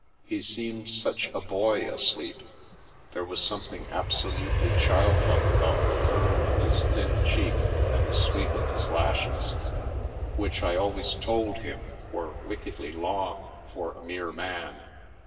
He seemed such a boy asleep, there was something absolutely childlike about the curve of his thin cheek and the sweep of his lashes, which I al ways told him were wickedly long for a mere man.